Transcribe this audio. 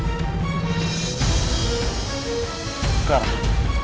biar aku kabur lagi